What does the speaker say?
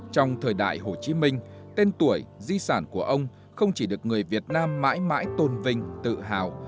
trong thời đại hồ chí minh tên tuổi di sản của ông không chỉ được người việt nam mãi mãi tồn vinh tự hào